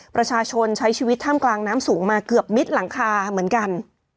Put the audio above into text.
ประชาชนใช้ชีวิตท่ามกลางน้ำสูงมาเกือบมิดหลังคาเหมือนกัน